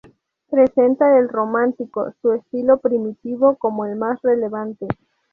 Presenta el románico —su estilo primitivo— como el más relevante.